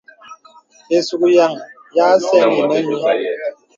Isùkyan ya sɛ̂nì mə nyùù.